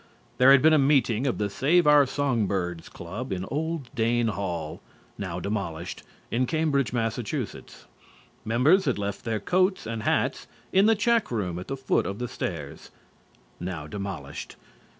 There had been a meeting of the Save Our Song Birds Club in old Dane Hall (now demolished) in Cambridge, Massachusetts. Members had left their coats and hats in the check room at the foot of the stairs (now demolished).